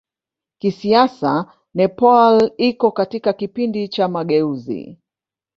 Kisiasa Nepal iko katika kipindi cha mageuzi.